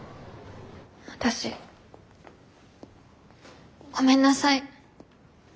私ごめんなさい。